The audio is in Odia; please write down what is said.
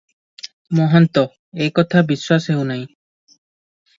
ମହନ୍ତ- ଏ କଥା ବିଶ୍ୱାସ ହେଉନାହିଁ ।